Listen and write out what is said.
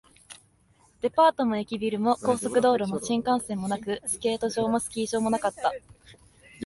デパートも駅ビルも、高速道路も新幹線もなく、スケート場もスキー場もなかった